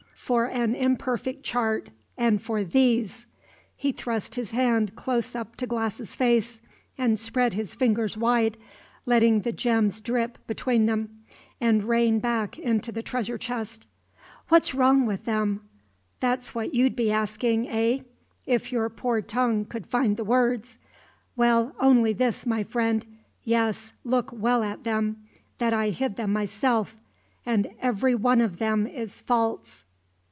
For an imperfect chart and for these!" He thrust his hand close up to Glass's face, and spread his fingers wide, letting the gems drip between them, and rain back into the treasure chest. "What's wrong with them? That's what you'd be asking eh? if your poor tongue could find the words. Well, only this, my friend yes, look well at them that I hid them myself, and every one of them is false."